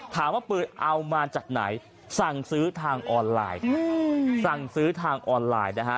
ถามว่าปืนเอามาจากไหนสั่งซื้อทางออนไลน์สั่งซื้อทางออนไลน์นะฮะ